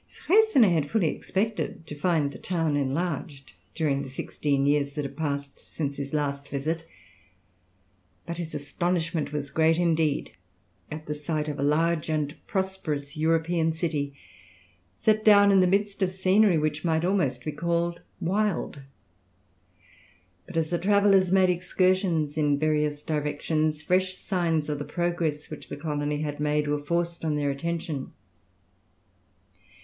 Freycinet had fully expected to find the town enlarged during the sixteen years that had passed since his last visit; but his astonishment was great indeed at the sight of a large and prosperous European city, set down in the midst of scenery which might almost be called wild. But as the travellers made excursions in various directions, fresh signs of the progress which the colony had made were forced on their attention.